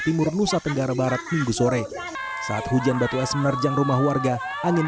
timur nusa tenggara barat minggu sore saat hujan batu es menerjang rumah warga angin